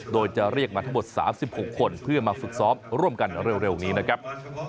โดยจะเรียกมาทั้งหมด๓๖คนเพื่อมาฝึกซ้อมร่วมกันเร็วนี้นะครับ